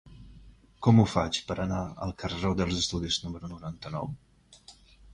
Com ho faig per anar al carreró dels Estudis número noranta-nou?